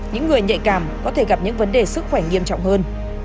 những người nhạy cảm có thể gặp những vấn đề sức khỏe nghiêm trọng hơn